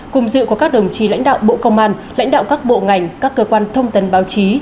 cùng dự có các đồng chí lãnh đạo bộ công an lãnh đạo các bộ ngành các cơ quan thông tấn báo chí